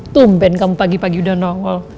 tumpen kamu pagi pagi udah nol